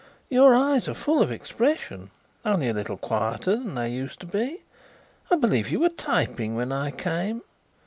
Your eyes are full of expression only a little quieter than they used to be. I believe you were typing when I came....